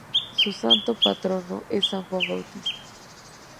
Su santo patrono es San Juan Bautista.